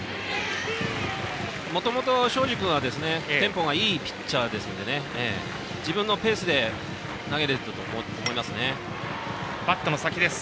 もともと庄司君はテンポがいいピッチャーですので自分のペースで投げれると思います。